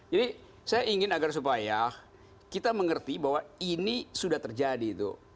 jadi saya ingin agar supaya kita mengerti bahwa ini sudah terjadi